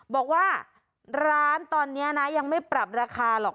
บอกว่าร้านตอนนี้นะยังไม่ปรับราคาหรอก